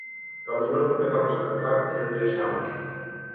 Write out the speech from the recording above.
Cando nós comezamos a cantar, el deixaba.